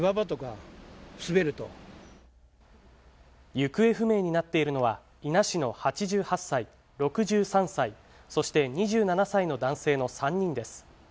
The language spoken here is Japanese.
行方不明になっているのは伊那市の８８歳、６３歳、そして２７歳の男性の３人です。